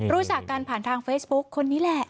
รู้จักกันผ่านทางเฟซบุ๊คคนนี้แหละ